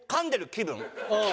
「気分」。